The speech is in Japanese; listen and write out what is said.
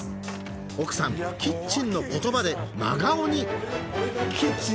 奥さん「キッチン」の言葉で真顔にキッチン？